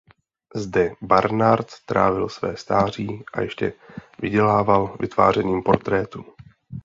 Zde Barnard trávil své stáří a ještě vydělával vytvářením portrétů.